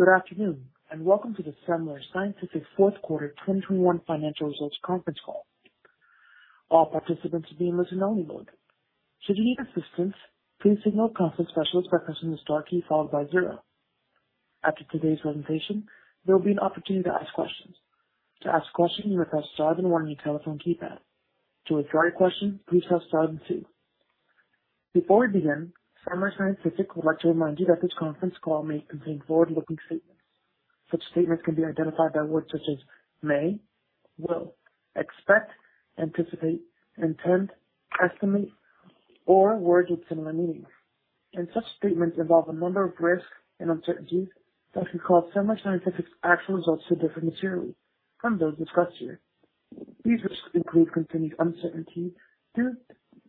Good afternoon, and welcome to the Semler Scientific Fourth Quarter 2021 Financial Results Conference Call. All participants will be in listen only mode. Should you need assistance, please signal a conference specialist by pressing the star key followed by zero. After today's presentation, there will be an opportunity to ask questions. To ask a question, you may press star then one on your telephone keypad. To withdraw your question, please press star then two. Before we begin, Semler Scientific would like to remind you that this conference call may contain forward-looking statements. Such statements can be identified by words such as may, will, expect, anticipate, intend, estimate, or words with similar meaning. Such statements involve a number of risks and uncertainties that could cause Semler Scientific's actual results to differ materially from those discussed here. These risks include continued uncertainty due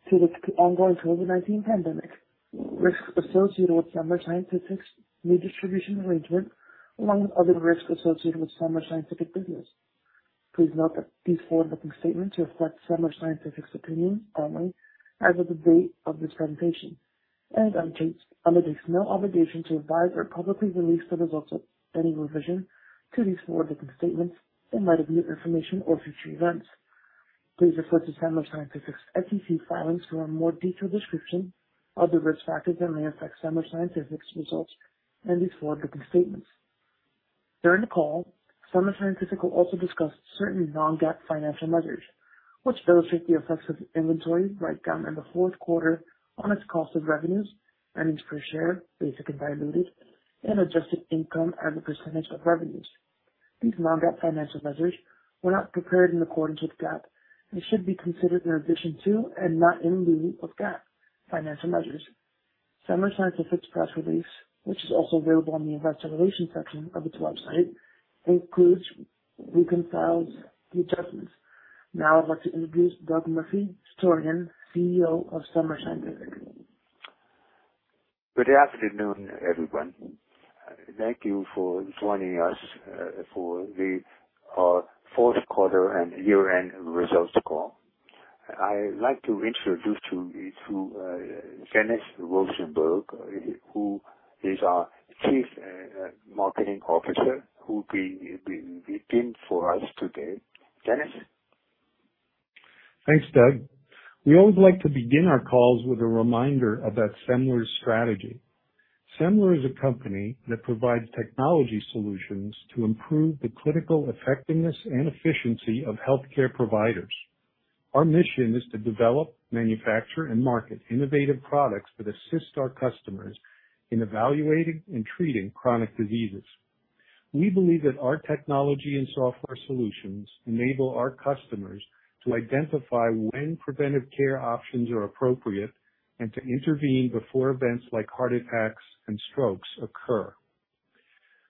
to the ongoing COVID-19 pandemic, risks associated with Semler Scientific's new distribution arrangement, along with other risks associated with Semler Scientific business. Please note that these forward-looking statements reflect Semler Scientific's opinions only as of the date of this presentation, and undertakes no obligation to revise or publicly release the results of any revision to these forward-looking statements in light of new information or future events. Please refer to Semler Scientific's SEC filings for a more detailed description of the risk factors that may affect Semler Scientific's results and these forward-looking statements. During the call, Semler Scientific will also discuss certain non-GAAP financial measures, which illustrate the effects of inventory write-down in the fourth quarter on its cost of revenues, earnings per share, basic and diluted, and adjusted income as a percentage of revenues. These non-GAAP financial measures were not prepared in accordance with GAAP and should be considered in addition to and not in lieu of GAAP financial measures. Semler Scientific's press release, which is also available on the Investor Relations section of its website, includes reconciled adjustments. Now I'd like to introduce Doug Murphy-Chutorian, CEO of Semler Scientific. Good afternoon, everyone. Thank you for joining us for the Fourth Quarter and Year-End Results Call. I'd like to introduce you to Dennis Rosenberg, who is our Chief Marketing Officer, who'll be speaking for us today. Dennis. Thanks, Doug. We always like to begin our calls with a reminder about Semler's strategy. Semler is a company that provides technology solutions to improve the critical effectiveness and efficiency of healthcare providers. Our mission is to develop, manufacture, and market innovative products that assist our customers in evaluating and treating chronic diseases. We believe that our technology and software solutions enable our customers to identify when preventive care options are appropriate and to intervene before events like heart attacks and strokes occur.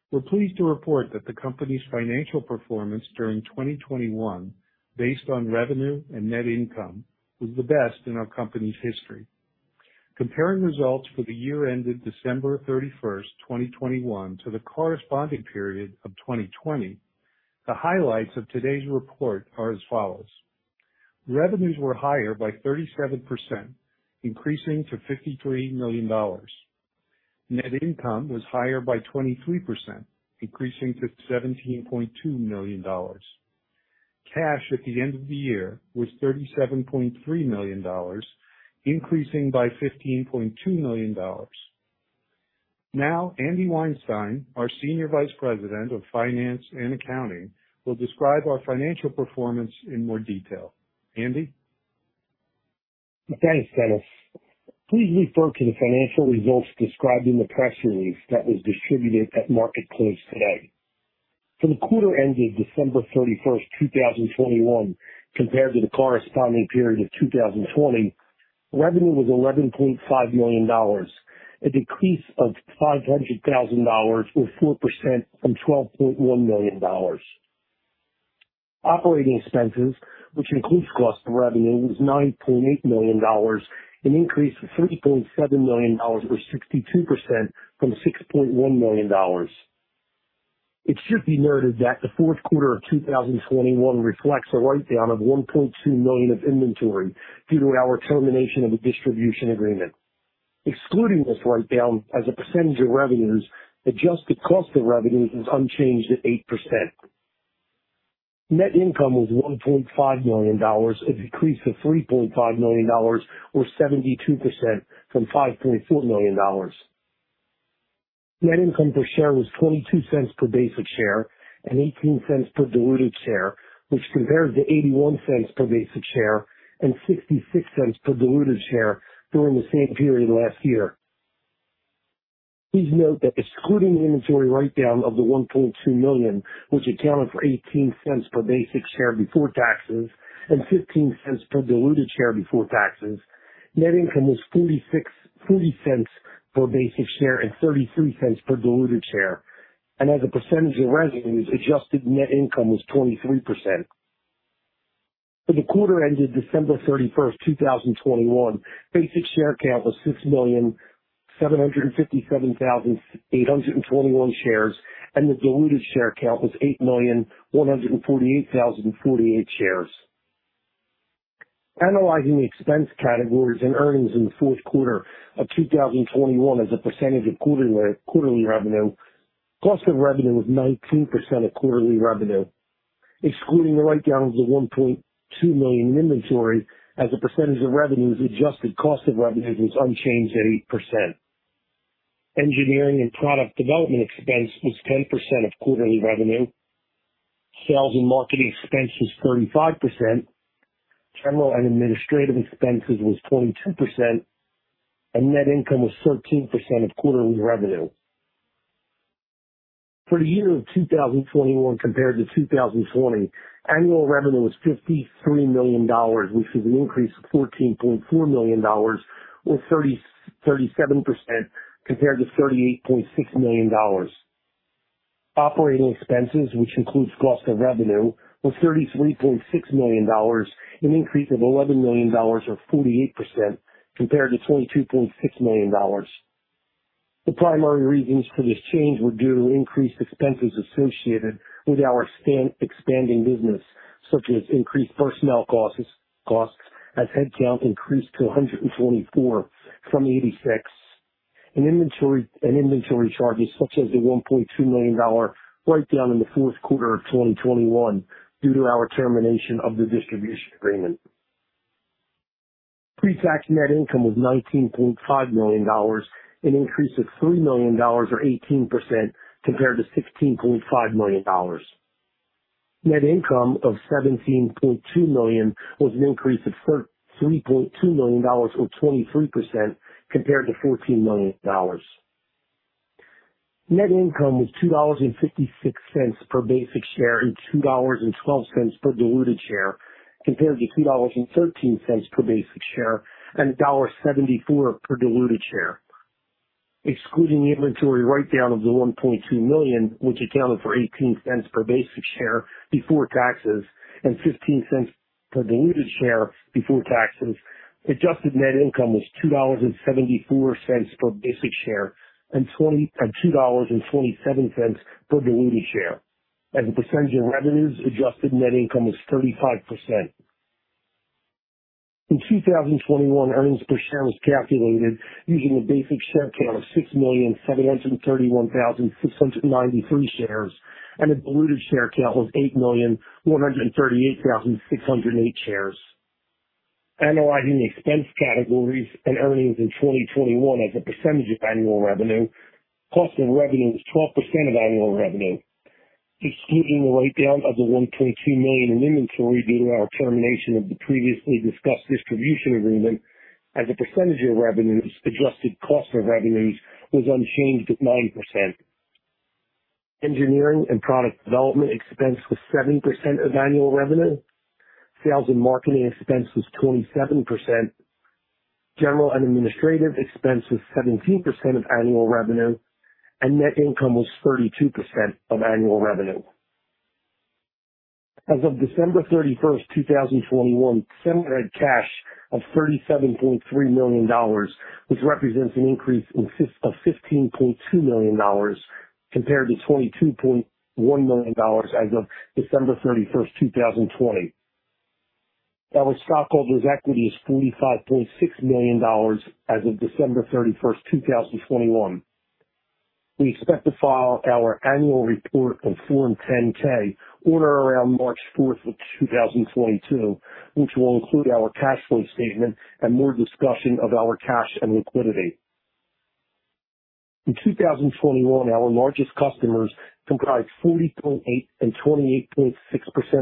We're pleased to report that the company's financial performance during 2021, based on revenue and net income, was the best in our company's history. Comparing results for the year ended December 31st, 2021, to the corresponding period of 2020, the highlights of today's report are as follows. Revenues were higher by 37%, increasing to $53 million. Net income was higher by 23%, increasing to $17.2 million. Cash at the end of the year was $37.3 million, increasing by $15.2 million. Now, Andy Weinstein, our Senior Vice President of Finance and Accounting, will describe our financial performance in more detail. Andy. Thanks, Dennis. Please refer to the financial results described in the press release that was distributed at market close today. For the quarter ending December 31st, 2021, compared to the corresponding period of 2020, revenue was $11.5 million, a decrease of $500,000 or 4% from $12.1 million. Operating expenses, which includes cost of revenue, was $9.8 million, an increase of $3.7 million or 62% from $6.1 million. It should be noted that the fourth quarter of 2021 reflects a write-down of $1.2 million of inventory due to our termination of a distribution agreement. Excluding this write-down as a percentage of revenues, adjusted cost of revenues is unchanged at 8%. Net income was $1.5 million, a decrease of $3.5 million or 72% from $5.4 million. Net income per share was $0.22 per basic share and $0.18 per diluted share, which compares to $0.81 per basic share and $0.66 per diluted share during the same period last year. Please note that excluding the inventory write-down of $1.2 million, which accounted for $0.18 per basic share before taxes and $0.15 per diluted share before taxes, net income was $0.40 per basic share and $0.33 per diluted share. As a percentage of revenues, adjusted net income was 23%. For the quarter ended December 31st, 2021, basic share count was 6,757,821 shares, and the diluted share count was 8,148,048 shares. Analyzing the expense categories and earnings in the fourth quarter of 2021 as a percentage of quarterly revenue. Cost of revenue was 19% of quarterly revenue, excluding the write-down of the $1.2 million in inventory as a percentage of revenues, adjusted cost of revenues was unchanged at 8%. Engineering and product development expense was 10% of quarterly revenue. Sales and marketing expense was 35%. General and administrative expenses was 22%, and net income was 13% of quarterly revenue. For the year of 2021 compared to 2020 annual revenue was $53 million, which is an increase of $14.4 million or 37% compared to $38.6 million. Operating expenses, which includes cost of revenue, was $33.6 million, an increase of $11 million or 48% compared to $22.6 million. The primary reasons for this change were due to increased expenses associated with our steadily expanding business, such as increased personnel costs as headcount increased to 124 from 86 in inventory and inventory charges such as the $1.2 million write-down in the fourth quarter of 2021 due to our termination of the distribution agreement. Pre-tax net income was $19.5 million, an increase of $3 million or 18% compared to $16.5 million. Net income of $17.2 million was an increase of $3.2 million or 23% compared to $14 million. Net income was $2.56 per basic share and $2.12 per diluted share, compared to $2.13 per basic share and $1.74 per diluted share. Excluding the inventory write-down of the $1.2 million, which accounted for $0.18 per basic share before taxes and $0.15 per diluted share before taxes, adjusted net income was $2.74 per basic share and $2.27 per diluted share. As a percentage of revenues, adjusted net income was 35%. In 2021, earnings per share was calculated using a basic share count of 6,731,693 shares, and a diluted share count was 8,138,608 shares. Analyzing the expense categories and earnings in 2021 as a percentage of annual revenue. Cost of revenue was 12% of annual revenue. Excluding the write-down of the $1.2 million in inventory due to our termination of the previously discussed distribution agreement as a percentage of revenues, adjusted cost of revenues was unchanged at 9%. Engineering and product development expense was 7% of annual revenue. Sales and marketing expense was 27%. General and administrative expense was 17% of annual revenue, and net income was 32% of annual revenue. As of December 31st, 2021, Semler had cash of $37.3 million, which represents an increase of $15.2 million compared to $22.1 million as of December 31st, 2020. Our stockholders' equity is $45.6 million as of December 31st, 2021. We expect to file our annual report on Form 10-K or around March 4th, 2022, which will include our cash flow statement and more discussion of our cash and liquidity. In 2021 our largest customers comprised 40.8% and 28.6%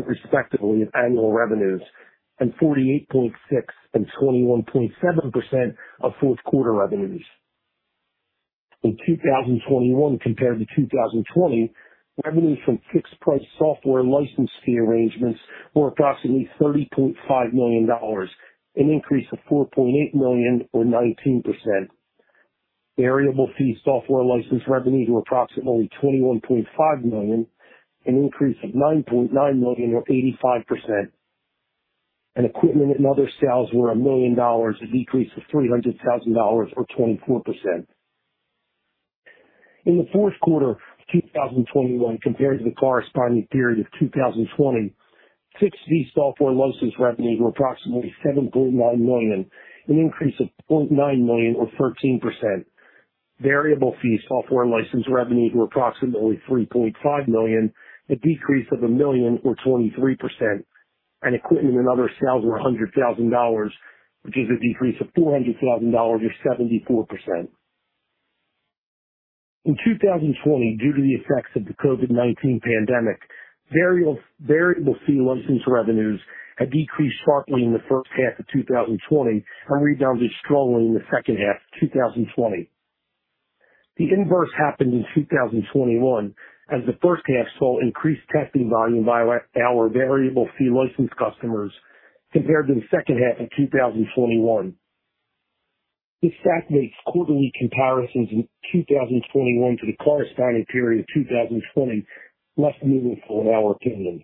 respectively of annual revenues and 48.6% and 21.7% of fourth quarter revenues. In 2021 compared to 2020, revenue from fixed price software license fee arrangements were approximately $30.5 million, an increase of $4.8 million or 19%. Variable fee software license revenue were approximately $21.5 million, an increase of $9.9 million or 85%. Equipment and other sales were $1 million, a decrease of $300,000 or 24%. In the fourth quarter of 2021 compared to the corresponding period of 2020, fixed fee software license revenue were approximately $7.9 million, an increase of $0.9 million or 13%. Variable fee software license revenue were approximately $3.5 million, a decrease of $1 million or 23%. Equipment and other sales were $100,000, which is a decrease of $400,000 or 74%. In 2020, due to the effects of the COVID-19 pandemic, variable fee license revenues had decreased sharply in the first half of 2020 and rebounded strongly in the second half of 2020. The inverse happened in 2021 as the first half saw increased testing volume by our variable fee license customers compared to the second half of 2021. This fact makes quarterly comparisons in 2021 to the corresponding period of 2020 less meaningful in our opinion.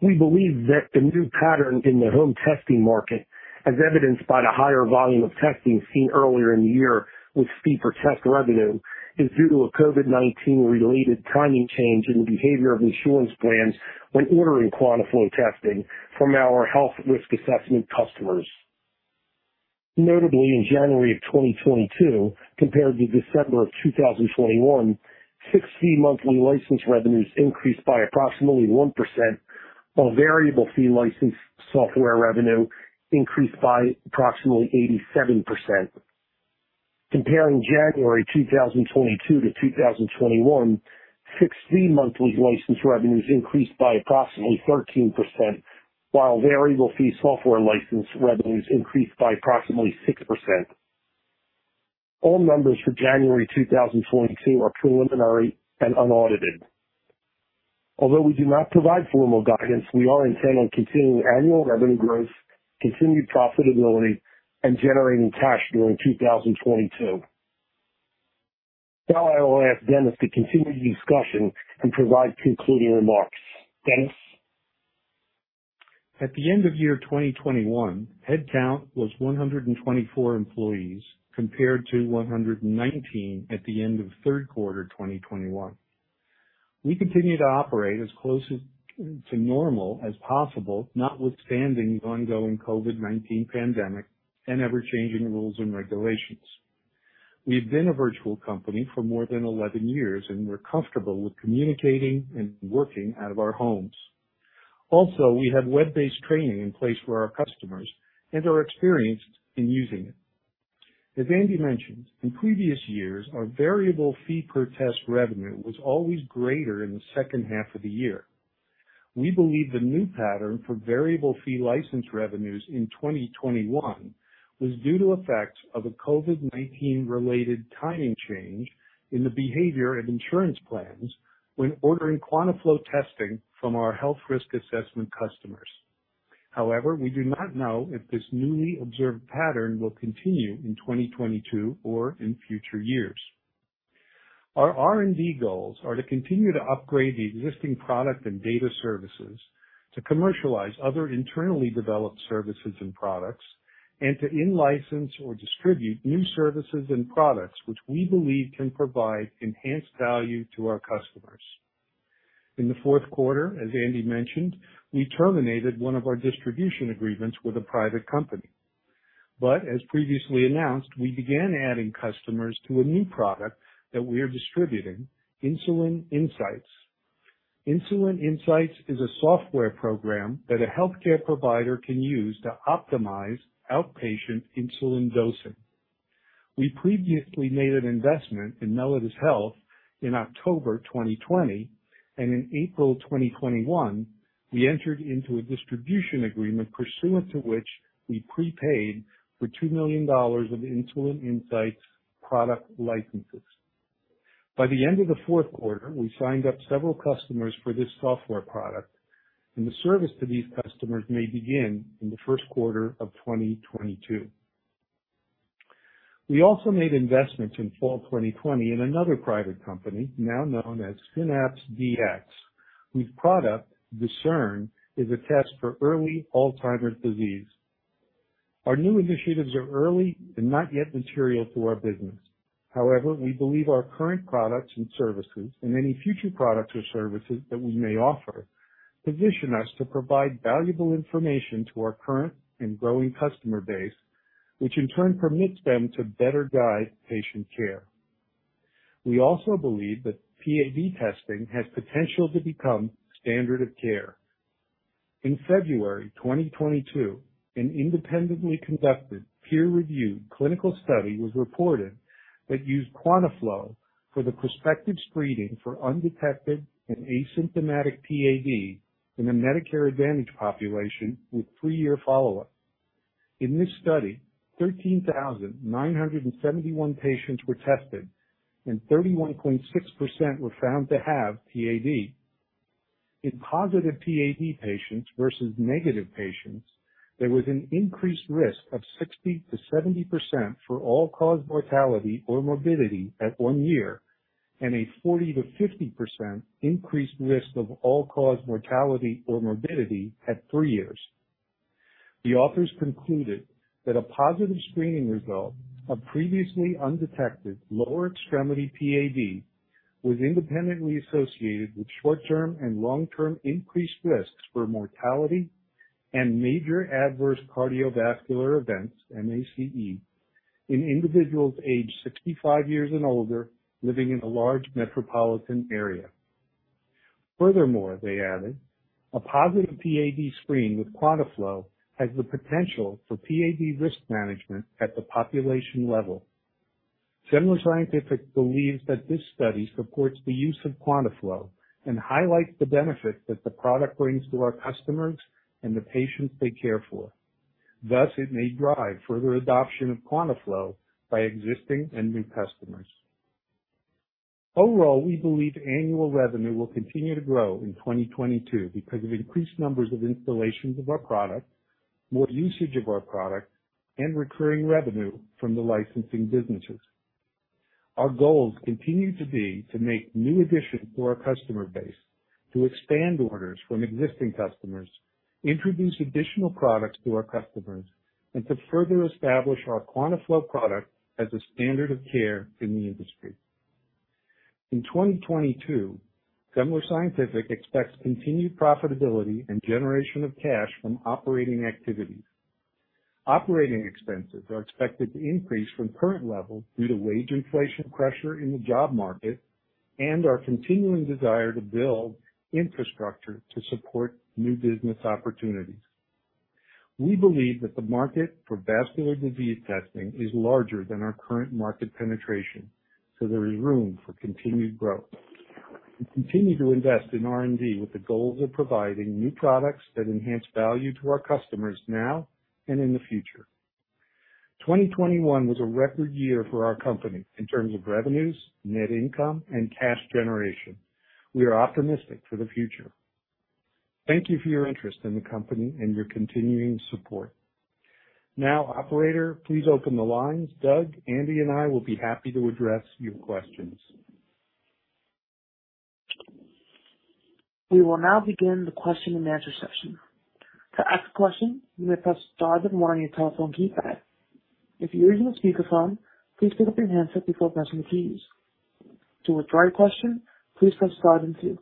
We believe that the new pattern in the home testing market, as evidenced by the higher volume of testing seen earlier in the year with fee per test revenue, is due to a COVID-19 related timing change in the behavior of insurance plans when ordering QuantaFlo testing from our health risk assessment customers. Notably, in January 2022 compared to December of 2021, fixed fee monthly license revenues increased by approximately 1%, while variable fee license software revenue increased by approximately 87%. Comparing January 2022 to 2021, fixed fee monthly license revenues increased by approximately 13%, while variable fee software license revenues increased by approximately 6%. All numbers for January 2022 are preliminary and unaudited. Although we do not provide formal guidance, we are intent on continuing annual revenue growth, continued profitability, and generating cash during 2022. Now I will ask Dennis to continue the discussion and provide concluding remarks. Dennis? At the end of 2021, headcount was 124 employees, compared to 119 at the end of third quarter 2021. We continue to operate as close as to normal as possible, notwithstanding the ongoing COVID-19 pandemic and ever-changing rules and regulations. We've been a virtual company for more than 11 years, and we're comfortable with communicating and working out of our homes. Also, we have web-based training in place for our customers and are experienced in using it. As Andy mentioned, in previous years, our variable fee per test revenue was always greater in the second half of the year. We believe the new pattern for variable fee license revenues in 2021 was due to effects of a COVID-19 related timing change in the behavior of insurance plans when ordering QuantaFlo testing from our health risk assessment customers. However, we do not know if this newly observed pattern will continue in 2022 or in future years. Our R&D goals are to continue to upgrade the existing product and data services, to commercialize other internally developed services and products, and to in-license or distribute new services and products which we believe can provide enhanced value to our customers. In the fourth quarter, as Andy mentioned, we terminated one of our distribution agreements with a private company. As previously announced, we began adding customers to a new product that we are distributing, Insulin Insights. Insulin Insights is a software program that a healthcare provider can use to optimize outpatient insulin dosing. We previously made an investment in Mellitus Health in October 2020, and in April 2021, we entered into a distribution agreement pursuant to which we prepaid for $2 million of Insulin Insights product licenses. By the end of the fourth quarter, we signed up several customers for this software product, and the service to these customers may begin in the first quarter of 2022. We also made investments in fall 2020 in another private company, now known as SYNAPS Dx, whose product, DISCERN, is a test for early Alzheimer's disease. Our new initiatives are early and not yet material to our business. However, we believe our current products and services, and any future products or services that we may offer, position us to provide valuable information to our current and growing customer base, which in turn permits them to better guide patient care. We also believe that PAD testing has potential to become standard of care. In February 2022, an independently conducted peer-reviewed clinical study was reported that used QuantaFlo for the prospective screening for undetected and asymptomatic PAD in a Medicare Advantage population with three-year follow-up. In this study, 13,971 patients were tested, and 31.6% were found to have PAD. In positive PAD patients versus negative patients, there was an increased risk of 60%-70% for all-cause mortality or morbidity at one year, and a 40%-50% increased risk of all-cause mortality or morbidity at three years. The authors concluded that a positive screening result of previously undetected lower extremity PAD was independently associated with short-term and long-term increased risks for mortality and major adverse cardiovascular events, MACE, in individuals aged 65 years and older living in a large metropolitan area. Furthermore, they added, a positive PAD screen with QuantaFlo has the potential for PAD risk management at the population level. Semler Scientific believes that this study supports the use of QuantaFlo and highlights the benefit that the product brings to our customers and the patients they care for. Thus, it may drive further adoption of QuantaFlo by existing and new customers. Overall, we believe annual revenue will continue to grow in 2022 because of increased numbers of installations of our product, more usage of our product, and recurring revenue from the licensing businesses. Our goals continue to be to make new additions to our customer base, to expand orders from existing customers, introduce additional products to our customers, and to further establish our QuantaFlo product as a standard of care in the industry. In 2022, Semler Scientific expects continued profitability and generation of cash from operating activities. Operating expenses are expected to increase from current levels due to wage inflation pressure in the job market and our continuing desire to build infrastructure to support new business opportunities. We believe that the market for vascular disease testing is larger than our current market penetration, so there is room for continued growth. We continue to invest in R&D with the goal of providing new products that enhance value to our customers now and in the future. 2021 was a record year for our company in terms of revenues, net income and cash generation. We are optimistic for the future. Thank you for your interest in the company and your continuing support. Now, operator, please open the lines. Doug, Andy and I will be happy to address your questions. We will now begin the question and answer session. To ask a question, you may press star then one on your telephone keypad. If you are using a speakerphone, please pick up your handset before pressing the keys. To withdraw your question, please press star then two.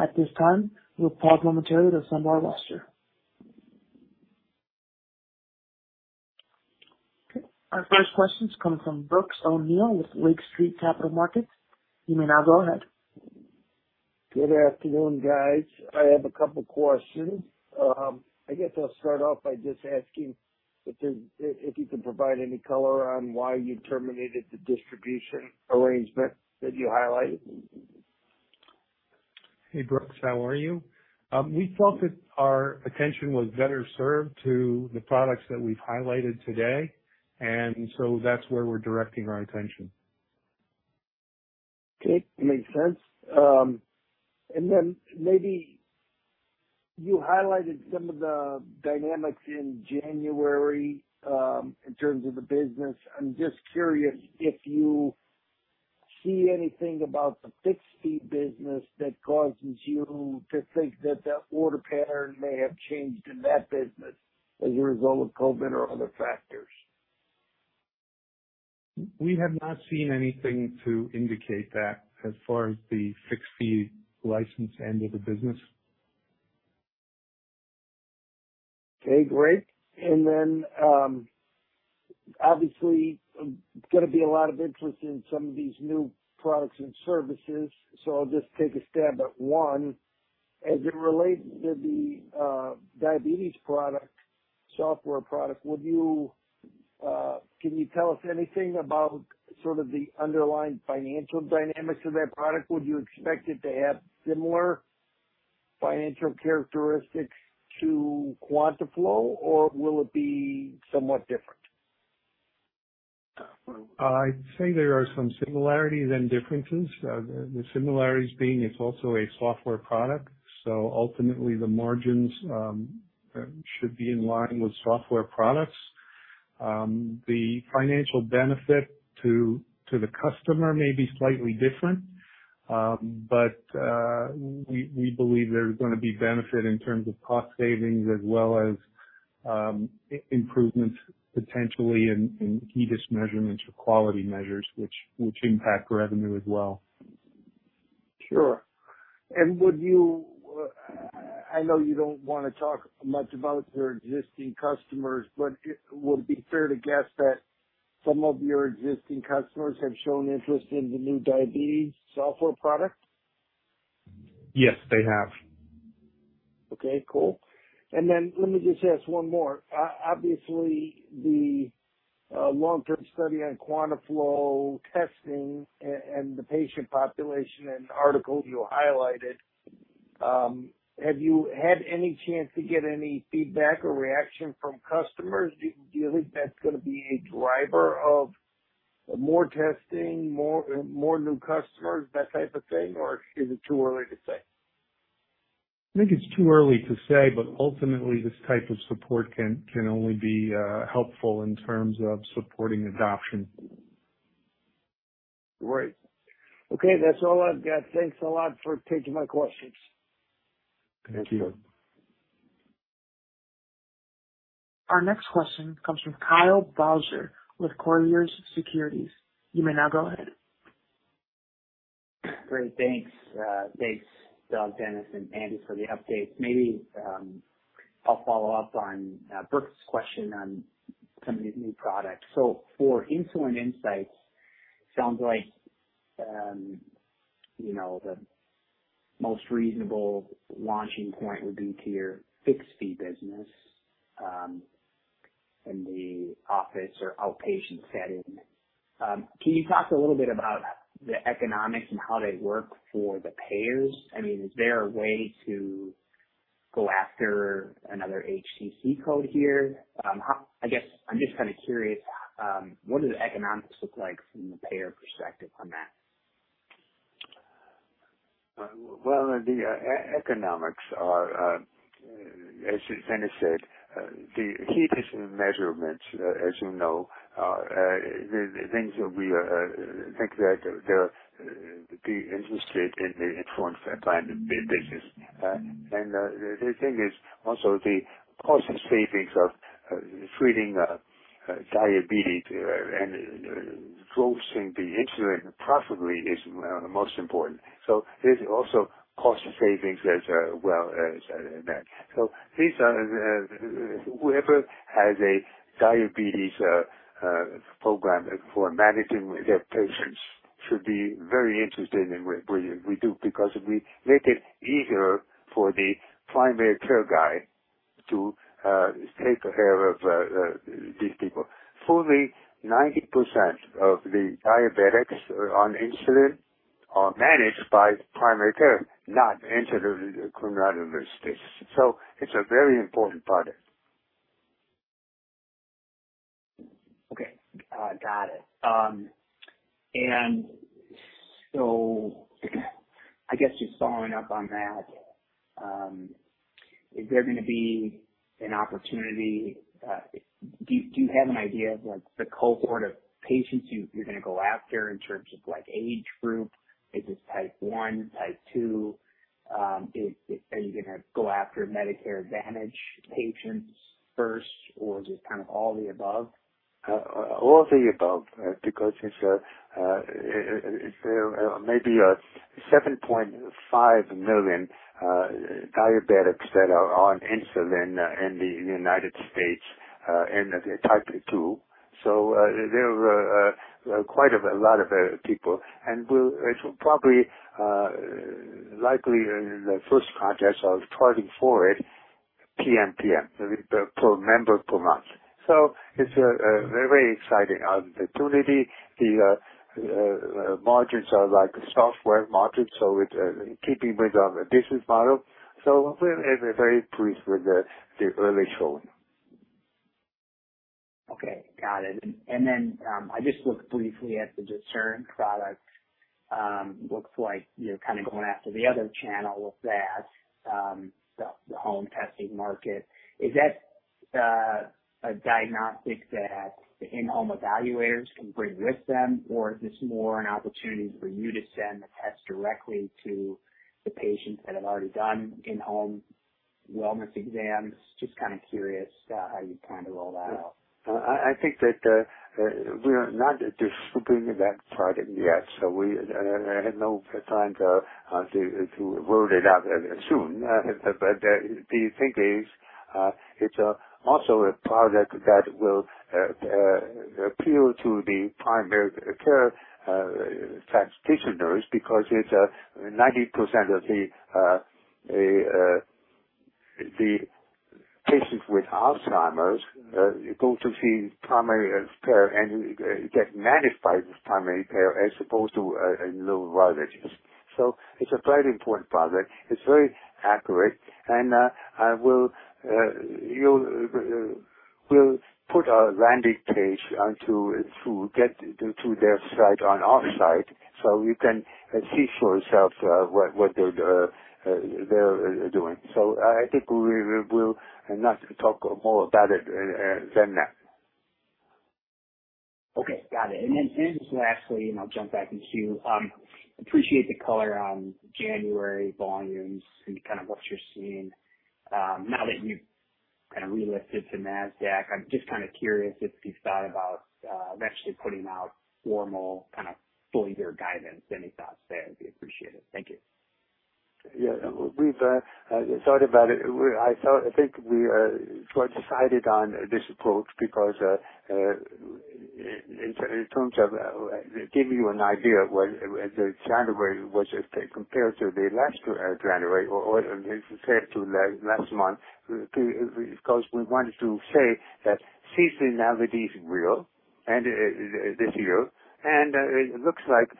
At this time, we'll pause momentarily to assemble our roster. Okay. Our first question comes from Brooks O'Neil with Lake Street Capital Markets. You may now go ahead. Good afternoon, guys. I have a couple questions. I guess I'll start off by just asking if you can provide any color on why you terminated the distribution arrangement that you highlighted. Hey, Brooks. How are you? We felt that our attention was better served to the products that we've highlighted today. That's where we're directing our attention. Okay. Makes sense. Then maybe you highlighted some of the dynamics in January, in terms of the business. I'm just curious if you see anything about the fixed fee business that causes you to think that the order pattern may have changed in that business as a result of COVID or other factors. We have not seen anything to indicate that as far as the fixed fee license end of the business. Okay, great. Then, obviously gonna be a lot of interest in some of these new products and services. I'll just take a stab at one. As it relates to the diabetes product, software product, can you tell us anything about sort of the underlying financial dynamics of that product? Would you expect it to have similar financial characteristics to QuantaFlo, or will it be somewhat different? I'd say there are some similarities and differences. The similarities being it's also a software product, so ultimately the margins should be in line with software products. The financial benefit to the customer may be slightly different, but we believe there's gonna be benefit in terms of cost savings as well as improvements potentially in HEDIS measurements or quality measures which impact revenue as well. Sure. I know you don't wanna talk much about your existing customers, but would it be fair to guess that some of your existing customers have shown interest in the new diabetes software product? Yes, they have. Okay, cool. Let me just ask one more. Obviously the long-term study on QuantaFlo testing and the patient population and the article you highlighted, have you had any chance to get any feedback or reaction from customers? Do you think that's gonna be a driver of more testing, more new customers, that type of thing? Is it too early to say? I think it's too early to say, but ultimately this type of support can only be helpful in terms of supporting adoption. Great. Okay, that's all I've got. Thanks a lot for taking my questions. Thank you. Our next question comes from Kyle Bauser with Colliers Securities. You may now go ahead. Great. Thanks. Thanks, Doug Murphy, Dennis Rosenberg and Andy Weinstein for the updates. Maybe, I'll follow up on, Brooks' question on some of the new products. For Insulin Insights, sounds like, you know, the most reasonable launching point would be to your fixed fee business, in the office or outpatient setting. Can you talk a little bit about the economics and how they work for the payers? I mean, is there a way to go after another HCC code here? I guess I'm just kinda curious, what do the economics look like from the payer perspective on that? Well, the economics are, as Dennis said, the HEDIS measurements, as you know, are the things that we think they'll be interested in for finding business. The thing is also the cost savings of treating diabetes and dosing the insulin properly is most important. There's also cost savings as well as that. These are whoever has a diabetes program for managing their patients should be very interested in what we do because we make it easier for the primary care guy to take care of these people. Fully 90% of the diabetics on insulin are managed by primary care, not endocrinologists. It's a very important product. Okay. Got it. I guess just following up on that, do you have an idea of, like, the cohort of patients you're gonna go after in terms of, like, age group? Is this type one, type two? Are you gonna go after Medicare Advantage patients first or just kind of all the above? All the above, because it's maybe 7.5 million diabetics that are on insulin in the United States, and they're type two. There are quite a lot of people. It will probably likely in the first quarters of 2024 it PMPM per member per month. It's a very exciting opportunity. The margins are like software margins, so it's keeping with our business model. We're very pleased with the early showing. Okay. Got it. I just looked briefly at the DISCERN product. Looks like you're kinda going after the other channel with that, the home testing market. Is that a diagnostic that the in-home evaluators can bring with them? Or is this more an opportunity for you to send the test directly to the patients that have already done in-home wellness exams? Just kinda curious, how you plan to roll that out. I think that we're not distributing that product yet, so we have no plan to roll it out soon. The thing is, it's also a product that will appeal to the primary care practitioners because 90% of the patients with Alzheimer's go to see primary care and get managed by primary care as opposed to a neurologist. It's a very important product. It's very accurate. We'll put a landing page on to get to their site on our site so you can see for yourself what they're doing. I think we will not talk more about it than that. Okay, got it. Just lastly, and I'll jump back in queue. I appreciate the color on January volumes and kind of what you're seeing. Now that you've kind of relisted on Nasdaq, I'm just kinda curious if you've thought about eventually putting out formal kind of full-year guidance. Any thoughts there would be appreciated. Thank you. Yeah. We've thought about it. I think we sort of decided on this approach because in terms of giving you an idea what January was compared to last January or compared to last month, because we wanted to say that seasonality is real and this year, and it looks like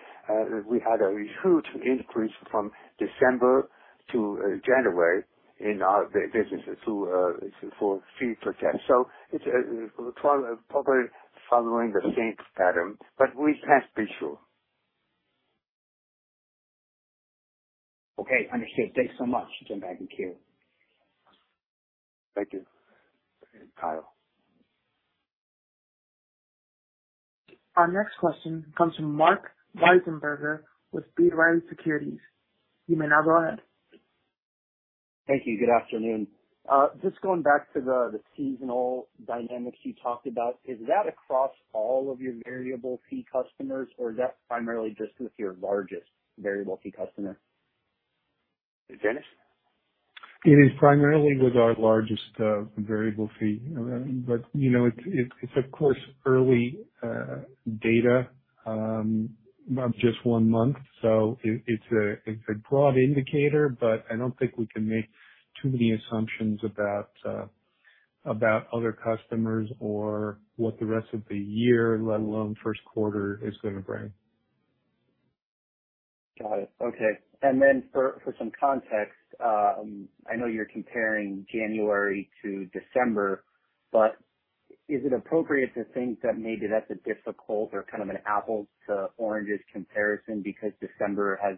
we had a huge increase from December to January in our businesses, too, for fee per test. It's probably following the same pattern, but we can't be sure. Okay, understood. Thanks so much. Jump back in queue. Thank you. Kyle. Our next question comes from Marc Wiesenberger with B. Riley Securities. You may now go ahead. Thank you. Good afternoon. Just going back to the seasonal dynamics you talked about, is that across all of your variable fee customers or is that primarily just with your largest variable fee customer? Dennis? It is primarily with our largest variable fee. You know it's of course early data of just one month. It's a broad indicator, but I don't think we can make too many assumptions about other customers or what the rest of the year, let alone first quarter, is gonna bring. Got it. Okay. For some context, I know you're comparing January to December, but is it appropriate to think that maybe that's a difficult or kind of an apples to oranges comparison because December has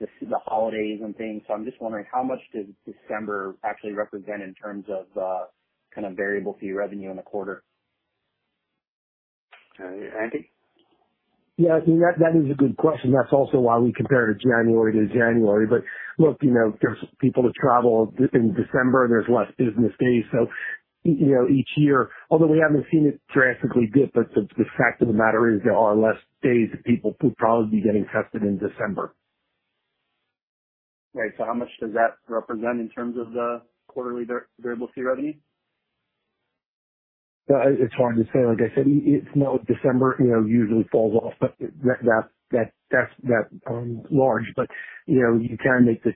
the holidays and things? I'm just wondering how much does December actually represent in terms of kind of variable fee revenue in the quarter? Andy? Yeah, I think that is a good question. That's also why we compare January to January. Look, you know, there's people that travel in December, there's less business days. You know, each year, although we haven't seen it drastically dip, but the fact of the matter is there are less days that people would probably be getting tested in December. Right. How much does that represent in terms of the quarterly variable fee revenue? It's hard to say. Like I said, it's not December, you know, usually falls off, but that's large. You know, you can make this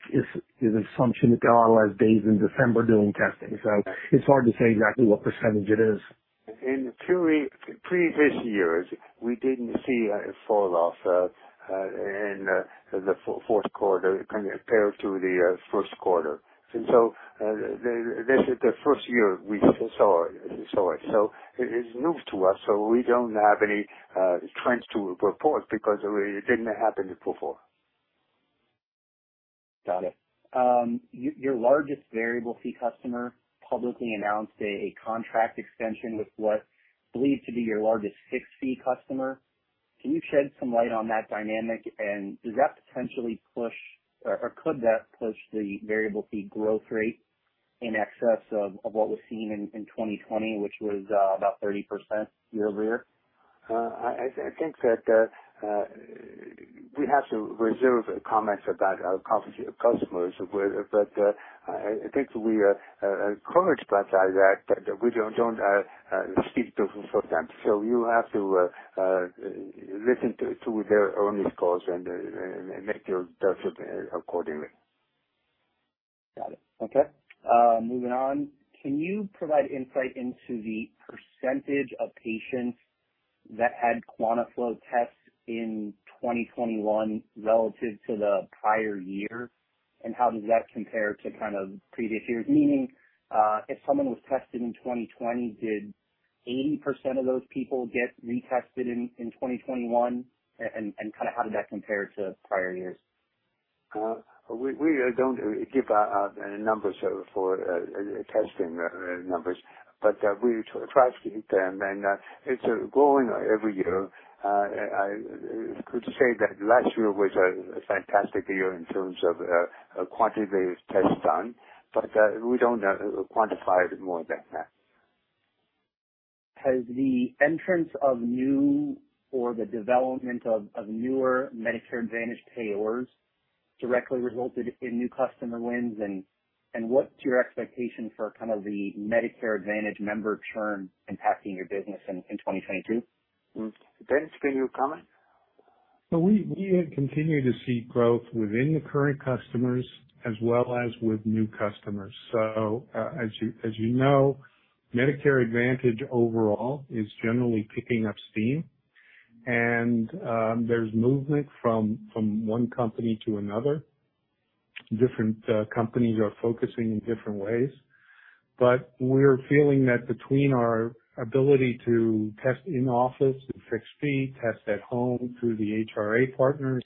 assumption that there are a lot of days in December doing testing. It's hard to say exactly what percentage it is. In previous years, we didn't see a falloff in the fourth quarter compared to the first quarter. This is the first year we saw it. It is new to us. We don't have any trends to report because it didn't happen before. Got it. Your largest variable fee customer publicly announced a contract extension with what's believed to be your largest fixed fee customer. Can you shed some light on that dynamic? Does that potentially push or could that push the variable fee growth rate in excess of what was seen in 2020, which was about 30% year-over-year? I think that we have to reserve comments about our confidential customers. I think we are encouraged by that, but we don't speak for them. You have to listen to their earnings calls and make your judgment accordingly. Got it. Okay. Moving on. Can you provide insight into the percentage of patients that had QuantaFlo tests in 2021 relative to the prior year? How does that compare to kind of previous years? Meaning, if someone was tested in 2020, did 80% of those people get retested in 2021? Kind of how did that compare to prior years? We don't give out numbers for testing numbers, but we try to keep them. It's growing every year. I could say that last year was a fantastic year in terms of quantitative tests done, but we don't quantify it more than that. Has the entrance of new or the development of newer Medicare Advantage payors directly resulted in new customer wins? What's your expectation for kind of the Medicare Advantage member churn impacting your business in 2022? Dennis, can you comment? We have continued to see growth within the current customers as well as with new customers. As you know, Medicare Advantage overall is generally picking up steam. There's movement from one company to another. Different companies are focusing in different ways. We're feeling that between our ability to test in office with fixed fee, test at home through the HRA partners,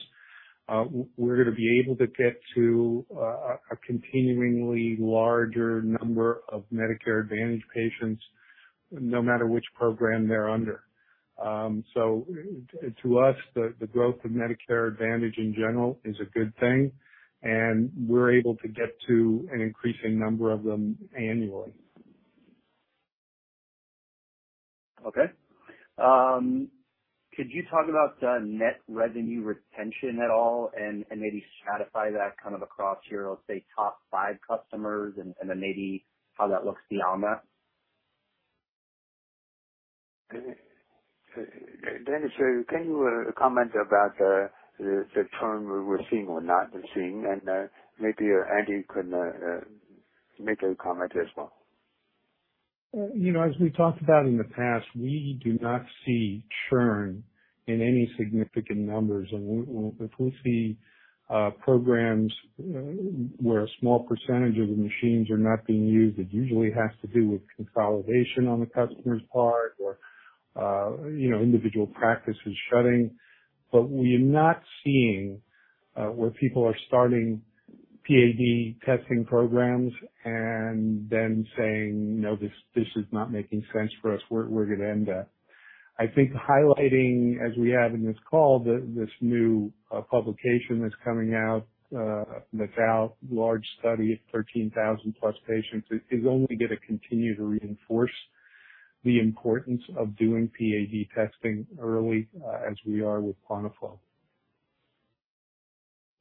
we're gonna be able to get to a continually larger number of Medicare Advantage patients no matter which program they're under. To us, the growth of Medicare Advantage in general is a good thing, and we're able to get to an increasing number of them annually. Okay. Could you talk about net revenue retention at all and maybe stratify that kind of across your, let's say, top five customers and then maybe how that looks beyond that? Dennis, can you comment about the churn we're seeing or not seeing? Maybe Andy can make a comment as well. You know, as we talked about in the past, we do not see churn in any significant numbers. If we see programs where a small percentage of the machines are not being used, it usually has to do with consolidation on the customer's part or you know, individual practices shutting. We are not seeing where people are starting PAD testing programs and then saying, "No, this is not making sense for us. We're gonna end it." I think highlighting as we have in this call, this new publication that's coming out, that's out, large study of 13,000+ patients is only gonna continue to reinforce the importance of doing PAD testing early, as we are with QuantaFlo.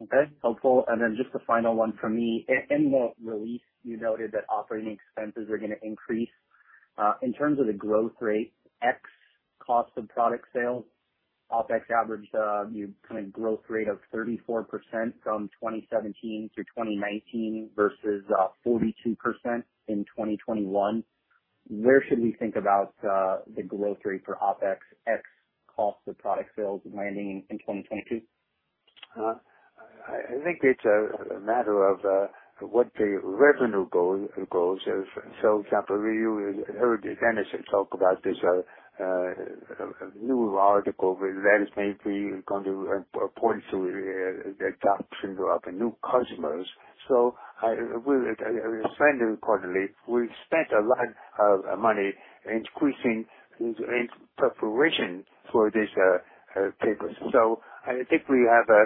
Okay. Helpful. Just a final one from me. In the release, you noted that operating expenses are gonna increase. In terms of the growth rate, ex cost of product sales, OpEx averaged a new kind of growth rate of 34% from 2017 through 2019 versus 42% in 2021. Where should we think about the growth rate for OpEx, ex cost of product sales landing in 2022? I think it's a matter of what the revenue goals is. For example, you heard Dennis talk about this new article that is maybe going to point to a adoption of new customers. As I said in the quarterly, we spent a lot of money increasing in preparation for this papers. I think we have a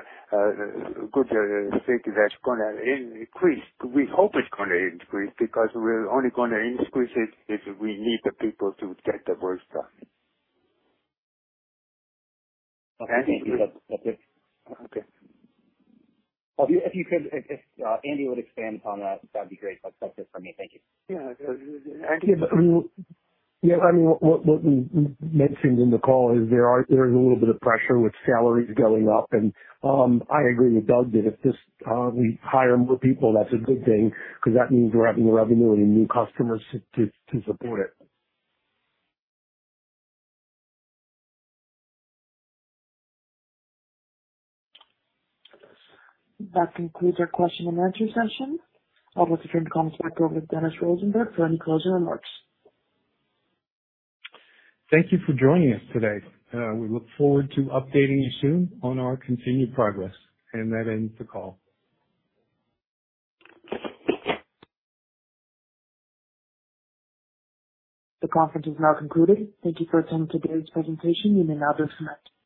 good feeling that's gonna increase. We hope it's gonna increase because we're only gonna increase it if we need the people to get the work done. Okay. Andy? That's it. Okay. If you could, Andy would expand upon that'd be great. That's it from me. Thank you. Yeah. Andy? Yeah. I mean, what we mentioned in the call is there is a little bit of pressure with salaries going up. I agree with Doug that if we hire more people, that's a good thing because that means we're having the revenue and new customers to support it. That concludes our question and answer session. I will turn the call back over to Dennis Rosenberg for any closing remarks. Thank you for joining us today. We look forward to updating you soon on our continued progress. That ends the call. The conference is now concluded. Thank you for attending today's presentation. You may now disconnect.